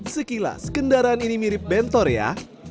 sekilas kendaraan ini mirip bentor ya